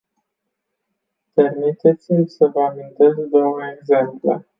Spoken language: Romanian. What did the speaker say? Permiteți-mi să vă amintesc două exemple.